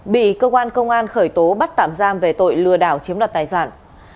bị cơ quan công an khởi tố bắt tạm giam về tội lừa đảo chiếm đoạt tài sản